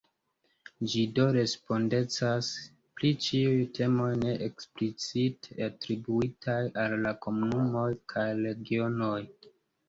Ĝi do respondecas pri ĉiuj temoj ne eksplicite atribuitaj al la komunumoj kaj regionoj.